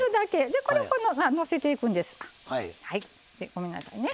ごめんなさいね。